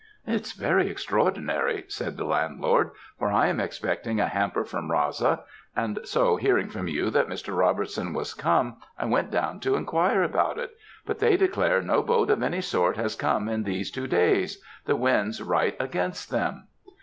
"'It's very extraordinary,' said the landlord, 'for I am expecting a hamper from Raasa; and so, hearing from you that Mr. Robertson was come, I went down to inquire about it; but they declare no boat of any sort has come in these two days; the wind's right against them.'